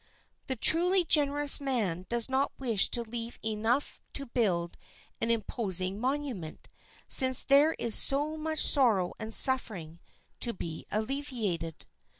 The truly generous man does not wish to leave enough to build an imposing monument, since there is so much sorrow and suffering to be alleviated.